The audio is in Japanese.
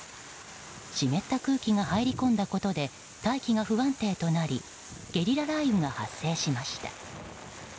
湿った空気が入り込んだことで大気が不安定となりゲリラ雷雨が発生しました。